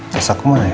saya sakum lah ya